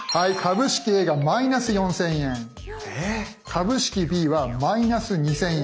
⁉株式Ｂは−２，０００円。